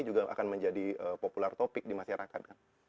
juga akan menjadi populer topik di masyarakat